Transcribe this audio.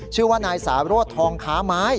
ชื่อว่านายสารวจทองคาม้าย